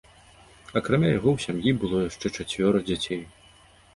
Акрамя яго ў сям'і было яшчэ чацвёра дзяцей.